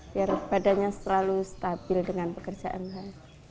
biar badannya selalu stabil dengan pekerjaan saya